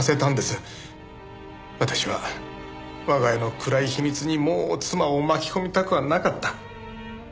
私は我が家の暗い秘密にもう妻を巻き込みたくはなかった。